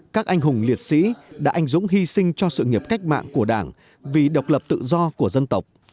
các anh hùng liệt sĩ đã anh dũng hy sinh cho sự nghiệp cách mạng của đảng vì độc lập tự do của dân tộc